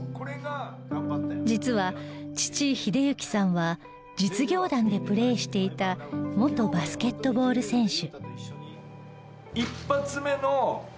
実は父英幸さんは実業団でプレーしていた元バスケットボール選手。